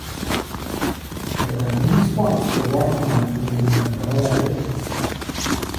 There are many spots for rock climbing in Margalla Hills.